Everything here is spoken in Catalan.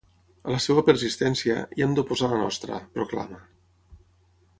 A la seva persistència, hi hem d’oposar la nostra, proclama.